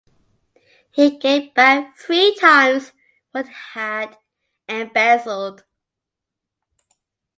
He gave back three times what he had embezzled.